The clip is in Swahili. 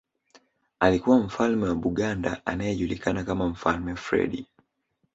Alikuwa Mfalme wa Buganda anayejulikana kama Mfalme Freddie